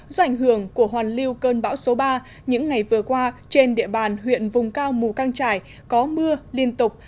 do ảnh hưởng của hoàn lưu cơn bão số ba những ngày vừa qua trên địa bàn huyện vùng cao mù căng trải có mưa liên tục